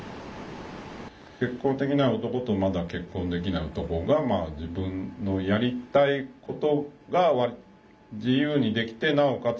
「結婚できない男」と「まだ結婚できない男」が自分のやりたいことが自由にできてなおかつ